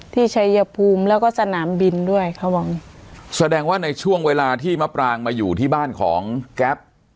ชัยภูมิแล้วก็สนามบินด้วยเขาบอกแสดงว่าในช่วงเวลาที่มะปรางมาอยู่ที่บ้านของแก๊ป